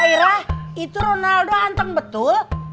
wah irah itu ronaldo hanteng betul